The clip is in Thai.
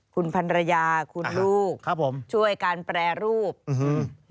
คุณพันรยาคุณลูกช่วยการแปรรูปครับผม